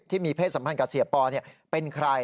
เพศสัมพันธ์กับเสียปอเป็นใคร